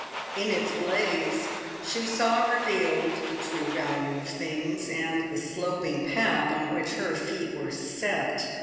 In its blaze she saw revealed the true value of things, and the sloping path on which her feet were set.